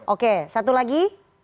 oke satu lagi